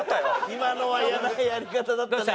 今のは嫌なやり方だったね。